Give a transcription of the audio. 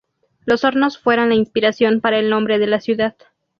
Los hornos fueran la inspiración para el nombre de la ciudad.